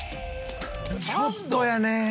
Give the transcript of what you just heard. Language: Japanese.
ちょっとやねえ。